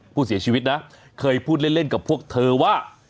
ผู้เสียชีวิตนะเคยพูดเล่นกับพวกเธอว่า